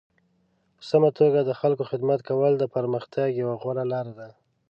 په سمه توګه د خلکو خدمت کول د پرمختګ یوه غوره لاره ده.